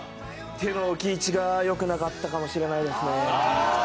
手の置き位置がよくなかったかもしれませんね。